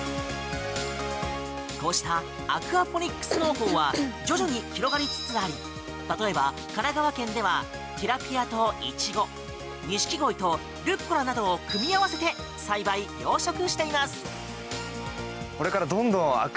こうしたアクアポニックス農法は徐々に広がりつつあり例えば神奈川県ではティアピアとイチゴニシキゴイとルッコラなどを組み合わせて栽培・養殖しています。